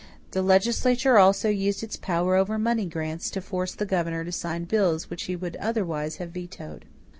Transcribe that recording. The legislature also used its power over money grants to force the governor to sign bills which he would otherwise have vetoed.